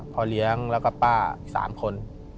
พ่อเลี้ยงแล้วก็ป้า๓คน